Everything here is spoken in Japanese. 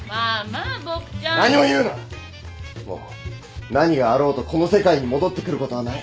もう何があろうとこの世界に戻ってくることはない。